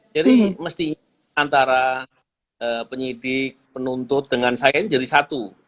jadi mestinya antara penyidik penuntut dengan saya ini jadi satu